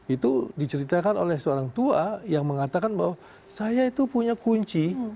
itu diceritakan oleh seorang tua yang mengatakan bahwa saya itu punya kunci